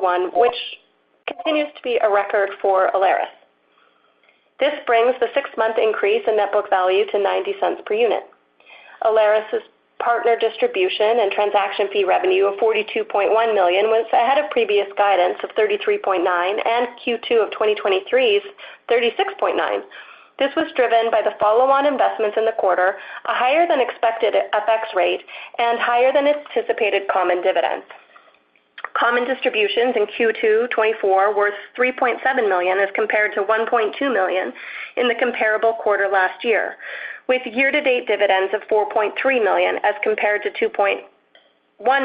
which continues to be a record for Alaris. This brings the six-month increase in net book value to 0.90 per unit. Alaris' partner distribution and transaction fee revenue of 42.1 million was ahead of previous guidance of 33.9 million and Q2 of 2023's 36.9 million. This was driven by the follow-on investments in the quarter, a higher than expected FX rate, and higher than anticipated common dividends. Common distributions in Q2 2024 were 3.7 million, as compared to 1.2 million in the comparable quarter last year, with year-to-date dividends of 4.3 million, as compared to 2.1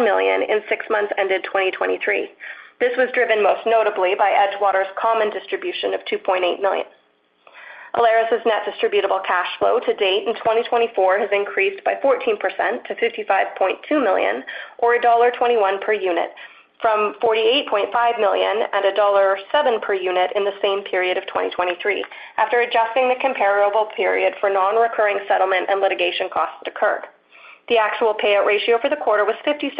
million in six months ended 2023. This was driven most notably by Edgewater's common distribution of 2.8 million. Alaris' net distributable cash flow to date in 2024 has increased by 14% to 55.2 million, or dollar 1.21 per unit, from 48.5 million at dollar 1.07 per unit in the same period of 2023, after adjusting the comparable period for non-recurring settlement and litigation costs that occurred. The actual payout ratio for the quarter was 56%,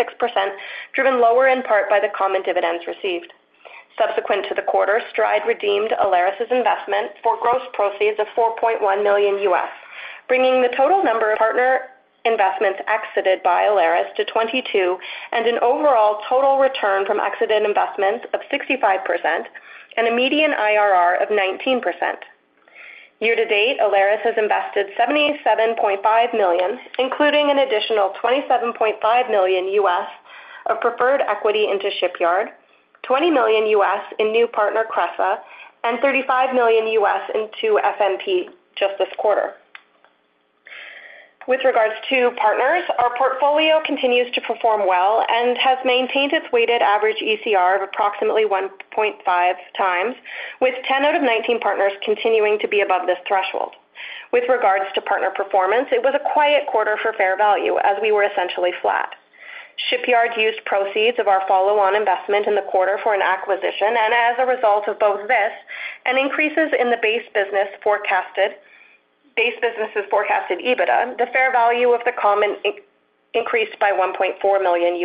driven lower in part by the common dividends received. Subsequent to the quarter, Stride redeemed Alaris' investment for gross proceeds of $4.1 million, bringing the total number of partner investments exited by Alaris to 22, and an overall total return from exited investments of 65% and a median IRR of 19%. Year to date, Alaris has invested 77.5 million, including an additional $27.5 million of preferred equity into Shipyard, $20 million in new partner Cresa, and $35 million into FMP just this quarter. With regards to partners, our portfolio continues to perform well and has maintained its weighted average ECR of approximately 1.5 times, with 10 out of 19 partners continuing to be above this threshold. With regards to partner performance, it was a quiet quarter for fair value, as we were essentially flat. Shipyard used proceeds of our follow-on investment in the quarter for an acquisition, and as a result of both this and increases in the base business forecasted base businesses forecasted EBITDA, the fair value of the common increased by $1.4 million.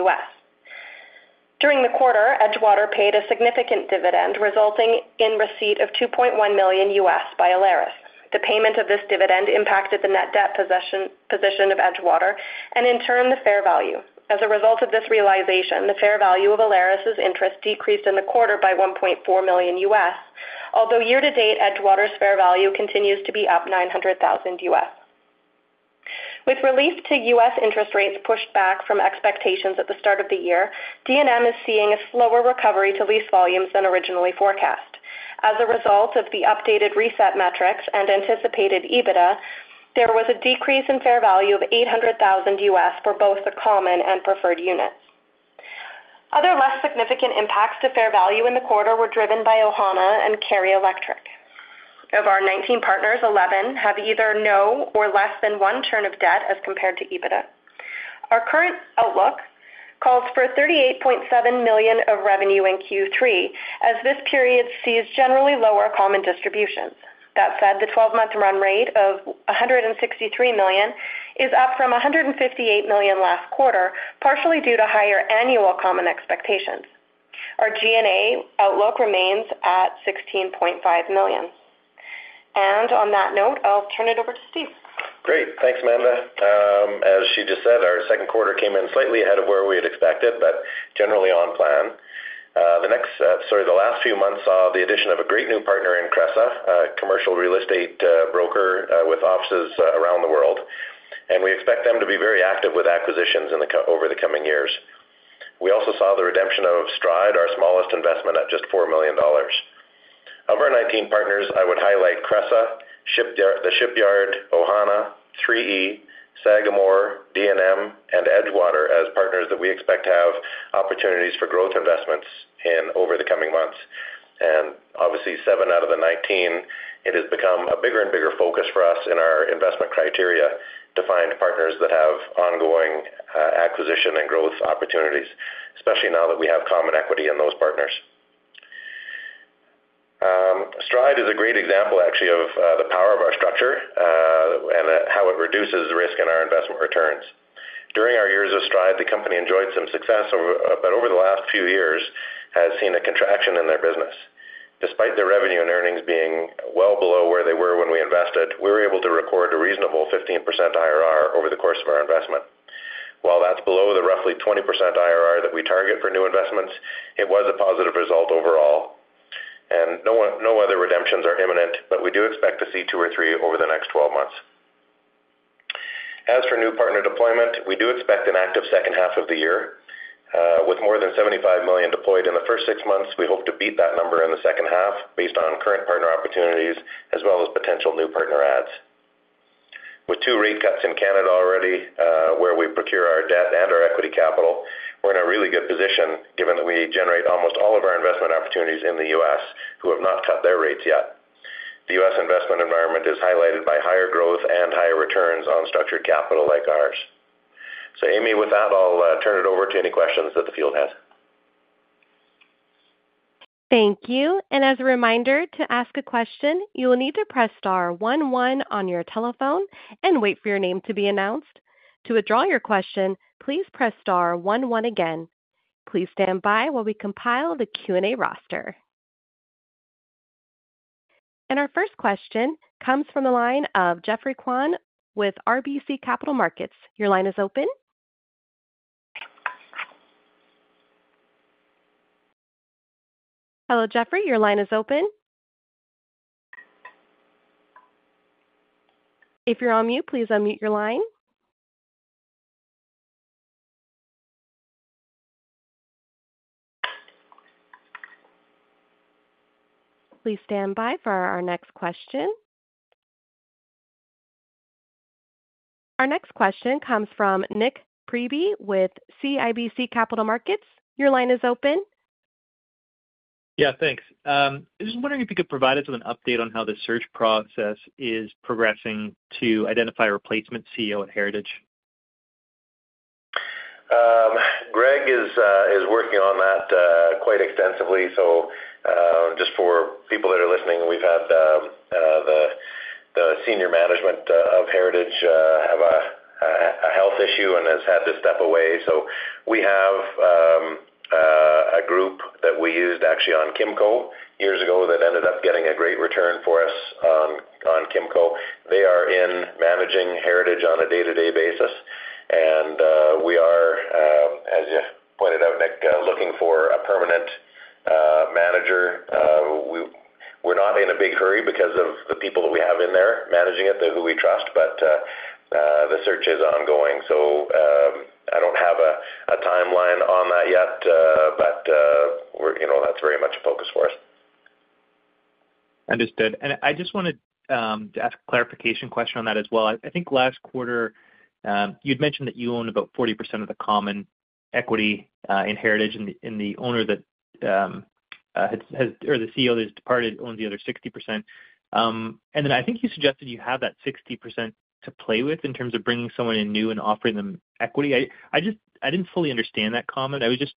During the quarter, Edgewater paid a significant dividend, resulting in receipt of $2.1 million by Alaris. The payment of this dividend impacted the net debt position of Edgewater and in turn, the fair value. As a result of this realization, the fair value of Alaris' interest decreased in the quarter by $1.4 million. Although year to date, Edgewater's fair value continues to be up $900,000. With relief to US interest rates pushed back from expectations at the start of the year, D&M is seeing a slower recovery to lease volumes than originally forecast. As a result of the updated reset metrics and anticipated EBITDA, there was a decrease in fair value of $800,000 for both the common and preferred units. Other less significant impacts to fair value in the quarter were driven by Ohana and Carey Electric. Of our 19 partners, 11 have either no or less than one turn of debt as compared to EBITDA. Our current outlook calls for 38.7 million of revenue in Q3, as this period sees generally lower common distributions. That said, the 12-month run rate of 163 million is up from 158 million last quarter, partially due to higher annual common expectations. Our G&A outlook remains at 16.5 million. And on that note, I'll turn it over to Steve. Great. Thanks, Amanda. As she just said, our second quarter came in slightly ahead of where we had expected, but generally on plan. The last few months saw the addition of a great new partner in Cresa, a commercial real estate broker, with offices around the world, and we expect them to be very active with acquisitions over the coming years. We also saw the redemption of Stride, our smallest investment at just $4 million. Of our 19 partners, I would highlight Cresa, Shipyard, the Shipyard, Ohana, 3E, Sagamore, D&M, and Edgewater as partners that we expect to have opportunities for growth investments in over the coming months. Obviously, seven out of the 19, it has become a bigger and bigger focus for us in our investment criteria to find partners that have ongoing, acquisition and growth opportunities, especially now that we have common equity in those partners. Stride is a great example, actually, of, the power of our structure, and, how it reduces risk in our investment returns. During our years of Stride, the company enjoyed some success, but over the last few years, has seen a contraction in their business. Despite their revenue and earnings being well below where they were when we invested, we were able to record a reasonable 15% IRR over the course of our investment. While that's below the roughly 20% IRR that we target for new investments, it was a positive result overall, and no other redemptions are imminent, but we do expect to see two or three over the next twelve months. As for new partner deployment, we do expect an active second half of the year. With more than 75 million deployed in the first six months, we hope to beat that number in the second half, based on current partner opportunities, as well as potential new partner adds. With two rate cuts in Canada already, where we procure our debt and our equity capital, we're in a really good position, given that we generate almost all of our investment opportunities in the U.S., who have not cut their rates yet. The U.S. investment environment is highlighted by higher growth and higher returns on structured capital like ours. So Amy, with that, I'll turn it over to any questions that the field has.... Thank you. And as a reminder, to ask a question, you will need to press star one one on your telephone and wait for your name to be announced. To withdraw your question, please press star one one again. Please stand by while we compile the Q&A roster. And our first question comes from the line of Geoffrey Kwan with RBC Capital Markets. Your line is open. Hello, Jeffrey, your line is open. If you're on mute, please unmute your line. Please stand by for our next question. Our next question comes from Nik Priebe with CIBC Capital Markets. Your line is open. Yeah, thanks. I was just wondering if you could provide us with an update on how the search process is progressing to identify a replacement CEO at Heritage? Greg is working on that quite extensively. So, just for people that are listening, we've had the senior management of Heritage have a health issue and has had to step away. So we have a group that we used actually on Kimco years ago that ended up getting a great return for us on Kimco. They are in managing Heritage on a day-to-day basis, and we are, as you pointed out, Nik, looking for a permanent manager. We're not in a big hurry because of the people that we have in there managing it, who we trust, but the search is ongoing. So, I don't have a timeline on that yet, but we're, you know, that's very much a focus for us. Understood. I just wanted to ask a clarification question on that as well. I think last quarter, you'd mentioned that you own about 40% of the common equity in Heritage, and the owner that has or the CEO that has departed owns the other 60%. And then I think you suggested you have that 60% to play with in terms of bringing someone in new and offering them equity. I just—I didn't fully understand that comment. I was just...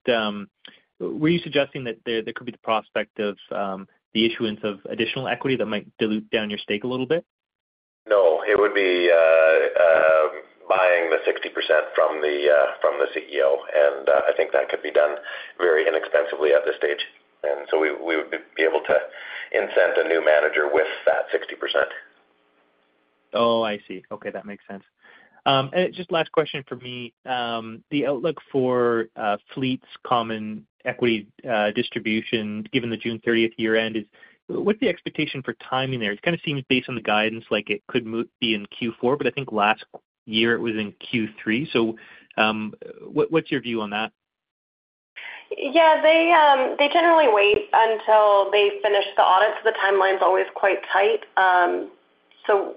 Were you suggesting that there could be the prospect of the issuance of additional equity that might dilute down your stake a little bit? No, it would be buying the 60% from the CEO, and I think that could be done very inexpensively at this stage. And so we would be able to incent a new manager with that 60%. Oh, I see. Okay, that makes sense. Just last question for me. The outlook for, Fleet's common equity, distribution, given the June 30th year end, is what's the expectation for timing there? It kind of seems based on the guidance, like it could be in Q4, but I think last year it was in Q3. So, what, what's your view on that? Yeah, they, they generally wait until they finish the audit, so the timeline's always quite tight. So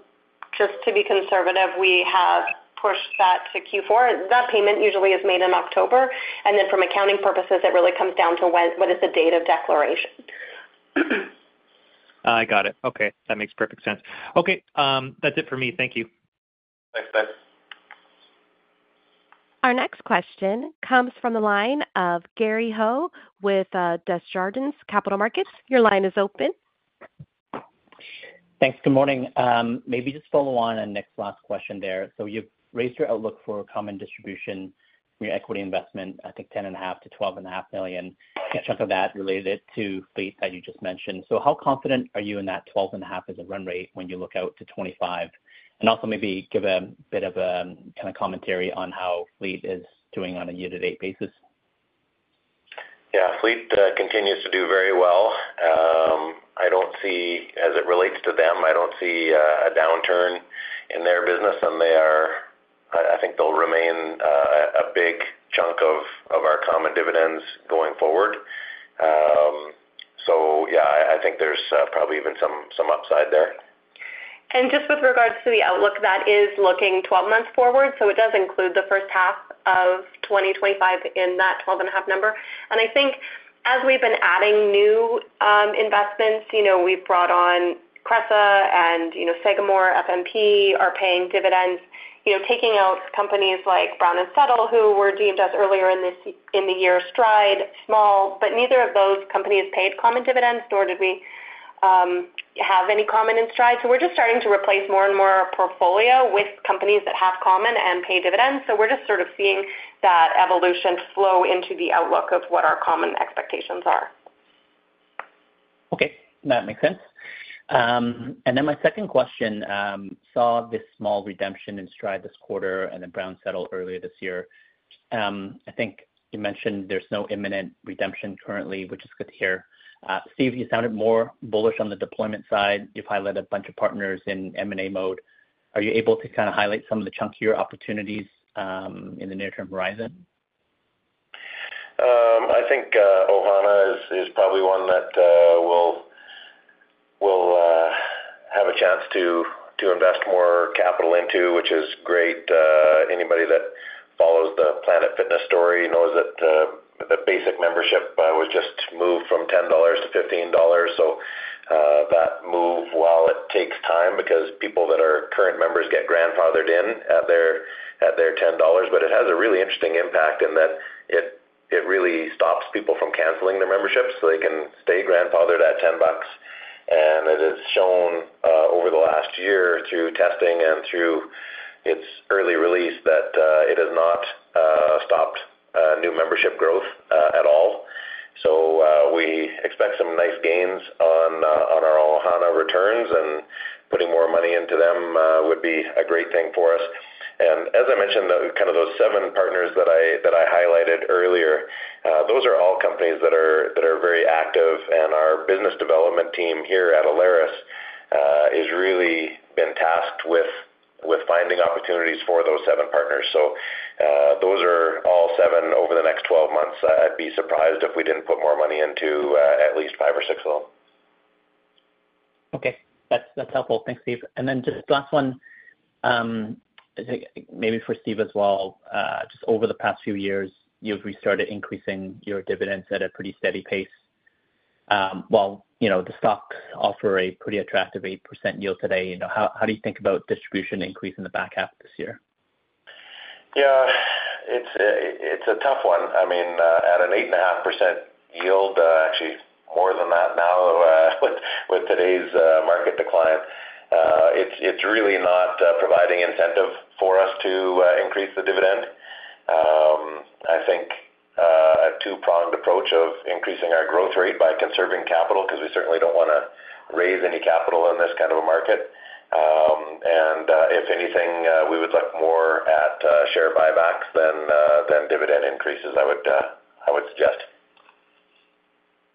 just to be conservative, we have pushed that to Q4. That payment usually is made in October, and then from accounting purposes, it really comes down to when—what is the date of declaration? I got it. Okay, that makes perfect sense. Okay, that's it for me. Thank you. Thanks, Nik. Our next question comes from the line of Gary Ho with Desjardins Capital Markets. Your line is open. Thanks. Good morning. Maybe just follow on Nik's last question there. So you've raised your outlook for common distribution from your equity investment, I think 10.5 million-12.5 million, a chunk of that related to Fleet, as you just mentioned. So how confident are you in that twelve and a half as a run rate when you look out to 2025? And also maybe give a bit of, kind of commentary on how Fleet is doing on a year-to-date basis. Yeah, Fleet continues to do very well. I don't see... As it relates to them, I don't see a downturn in their business, and they, I think they'll remain a big chunk of our common dividends going forward. So yeah, I think there's probably even some upside there. And just with regards to the outlook, that is looking 12 months forward, so it does include the first half of 2025 in that 12.5 number. And I think as we've been adding new investments, you know, we've brought on Cresa and, you know, Sagamore FMP are paying dividends. You know, taking out companies like Brown & Settle, who were redeemed earlier in the year, Stride, small, but neither of those companies paid common dividends, nor did we have any common in Stride. So we're just starting to replace more and more of our portfolio with companies that have common and pay dividends. So we're just sort of seeing that evolution flow into the outlook of what our common expectations are. Okay, that makes sense. And then my second question, saw this small redemption in Stride this quarter and then Brown & Settle earlier this year. I think you mentioned there's no imminent redemption currently, which is good to hear. Steve, you sounded more bullish on the deployment side. You've highlighted a bunch of partners in M&A mode. Are you able to kind of highlight some of the chunkier opportunities, in the near-term horizon? I think Ohana is probably one that we'll have a chance to invest more capital into, which is great. Anybody that follows the Planet Fitness story knows that the basic membership was just moved from $10 to $15. So, that move, while it takes time, because people that are current members get grandfathered in at their $10, but it has a really interesting impact in that it really stops people from canceling their memberships, so they can stay grandfathered at $10... and as it's shown over the last year through testing and through its early release, that it has not stopped new membership growth at all. So, we expect some nice gains on our Ohana returns, and putting more money into them would be a great thing for us. As I mentioned, the kind of those 7 partners that I highlighted earlier, those are all companies that are very active. Our business development team here at Alaris is really been tasked with finding opportunities for those 7 partners. So, those are all 7 over the next 12 months. I'd be surprised if we didn't put more money into at least 5 or 6 of them. Okay, that's, that's helpful. Thanks, Steve. And then just last one, I think maybe for Steve as well. Just over the past few years, you've restarted increasing your dividends at a pretty steady pace. While, you know, the stocks offer a pretty attractive 8% yield today, you know, how, how do you think about distribution increase in the back half this year? Yeah, it's a tough one. I mean, at an 8.5% yield, actually more than that now, with today's market decline, it's really not providing incentive for us to increase the dividend. I think a two-pronged approach of increasing our growth rate by conserving capital, 'cause we certainly don't wanna raise any capital in this kind of a market. And if anything, we would look more at share buybacks than dividend increases, I would suggest.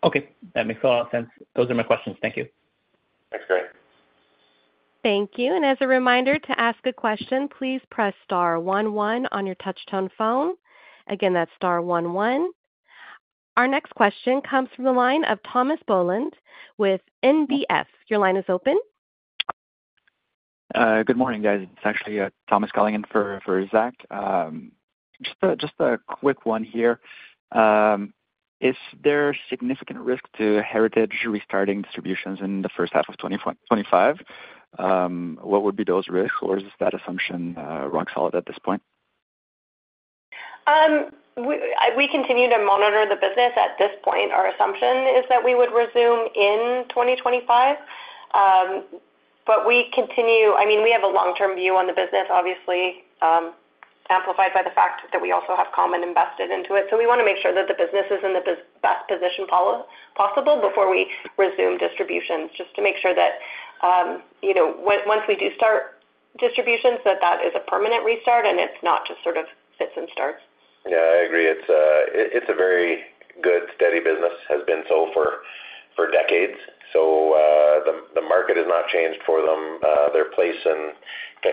Okay, that makes a lot of sense. Those are my questions. Thank you. Thanks, Greg. Thank you. As a reminder to ask a question, please press star one one on your touchtone phone. Again, that's star one one. Our next question comes from the line of Thomas Boland with NBF. Your line is open. Good morning, guys. It's actually Thomas calling in for Zach. Just a quick one here. Is there significant risk to Heritage restarting distributions in the first half of 2025? What would be those risks, or is that assumption rock solid at this point? We continue to monitor the business. At this point, our assumption is that we would resume in 2025. But we continue, I mean, we have a long-term view on the business, obviously, amplified by the fact that we also have common invested into it. So we wanna make sure that the business is in the best position possible before we resume distributions, just to make sure that, you know, once we do start distributions, that that is a permanent restart and it's not just sort of fits and starts. Yeah, I agree. It's a very good, steady business. Has been so for decades, so the market has not changed for them. Their place in,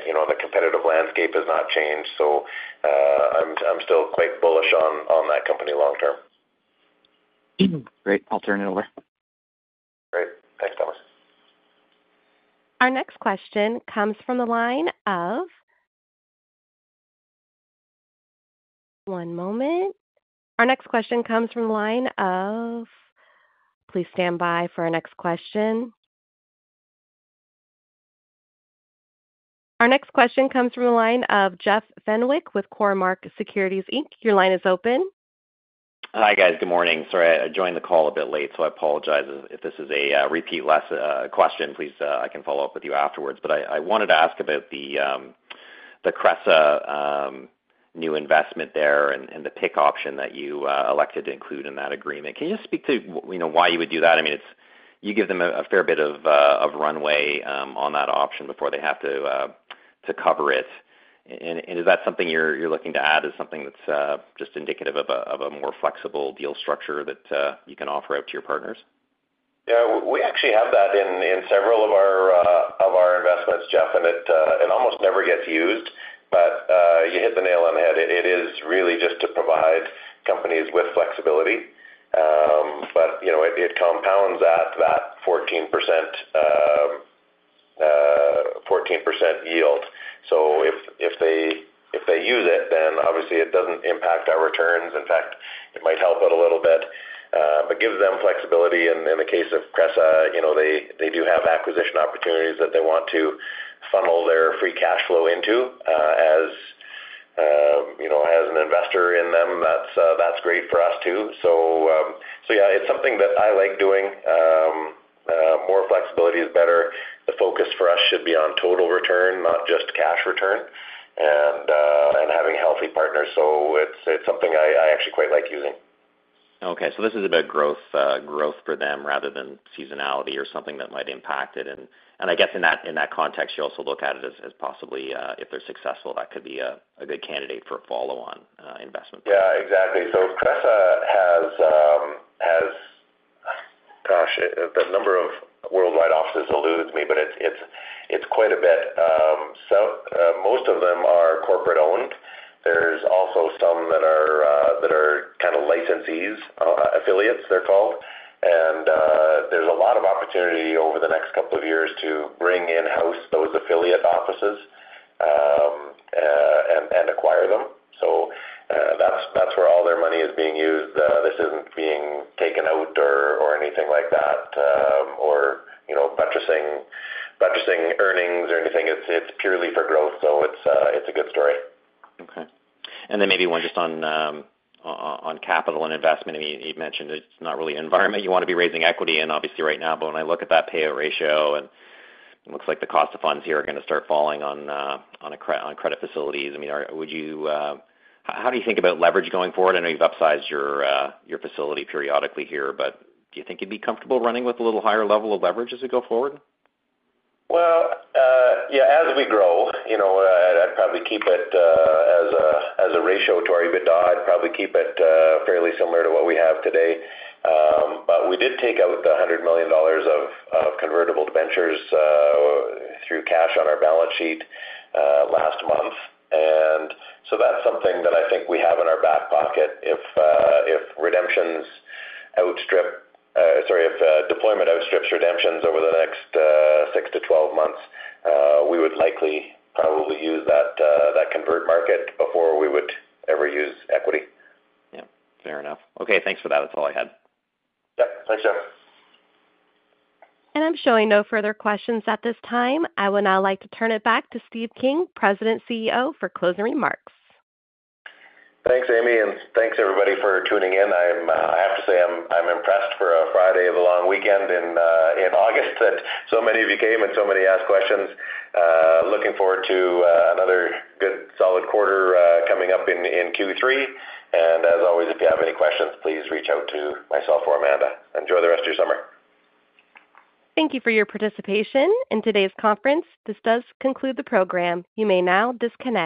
you know, the competitive landscape has not changed. So, I'm still quite bullish on that company long term. Great. I'll turn it over. Great. Thanks, Thomas. Our next question comes from the line of... One moment. Our next question comes from the line of... Please stand by for our next question. Our next question comes from the line of Jeff Fenwick with Cormark Securities Inc. Your line is open. Hi, guys. Good morning. Sorry, I joined the call a bit late, so I apologize if this is a repetitious question, please, I can follow up with you afterwards. But I wanted to ask about the Cresa new investment there and the PIK option that you elected to include in that agreement. Can you just speak to, you know, why you would do that? I mean, it's. You give them a fair bit of runway on that option before they have to cover it. And is that something you're looking to add, is something that's just indicative of a more flexible deal structure that you can offer out to your partners? Yeah, we actually have that in several of our investments, Jeff, and it almost never gets used. But you hit the nail on the head. It is really just to provide companies with flexibility. But you know, it compounds at that 14% yield. So if they use it, then obviously it doesn't impact our returns. In fact, it might help it a little bit, but gives them flexibility. And in the case of Cresa, you know, they do have acquisition opportunities that they want to funnel their free cash flow into, as you know, as an investor in them. That's great for us too. So yeah, it's something that I like doing. More flexibility is better. The focus for us should be on total return, not just cash return, and having healthy partners. So it's, it's something I, I actually quite like using. Okay, so this is about growth, growth for them rather than seasonality or something that might impact it. And I guess in that context, you also look at it as possibly, if they're successful, that could be a good candidate for a follow-on investment. Yeah, exactly. So Cresa has... Gosh, the number of worldwide offices eludes me, but it's quite a bit. So most of them are corporate-owned. There's also some that are kind of licensees, affiliates, they're called. And there's a lot of opportunity over the next couple of years to bring in-house those affiliate offices and acquire them. So that's where all their money is being used. This isn't being taken out or anything like that, or, you know, buttressing earnings or anything. It's purely for growth, so it's a good story. Okay. And then maybe one just on capital and investment. I mean, you'd mentioned it's not really an environment you want to be raising equity in, obviously right now. But when I look at that payout ratio, and it looks like the cost of funds here are gonna start falling on credit facilities, I mean, would you how do you think about leverage going forward? I know you've upsized your facility periodically here, but do you think you'd be comfortable running with a little higher level of leverage as we go forward? Well, yeah, as we grow, you know, I'd, I'd probably keep it, as a, as a ratio to our EBITDA, I'd probably keep it, fairly similar to what we have today. But we did take out 100 million dollars of, of convertible debentures, through cash on our balance sheet, last month. And so that's something that I think we have in our back pocket. If, if redemptions outstrip, sorry, if, deployment outstrips redemptions over the next, 6 to 12 months, we would likely probably use that, that convert market before we would ever use equity. Yeah, fair enough. Okay, thanks for that. That's all I had. Yeah. Thanks, Jeff. I'm showing no further questions at this time. I would now like to turn it back to Steve King, President CEO, for closing remarks. Thanks, Amy, and thanks everybody for tuning in. I'm, I have to say I'm, I'm impressed for a Friday of a long weekend in, in August, that so many of you came and so many asked questions. Looking forward to, another good solid quarter, coming up in, in Q3. And as always, if you have any questions, please reach out to myself or Amanda. Enjoy the rest of your summer. Thank you for your participation in today's conference. This does conclude the program. You may now disconnect.